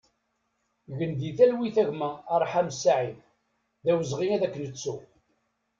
Gen di talwit a gma Arḥam Saïd, d awezɣi ad k-nettu!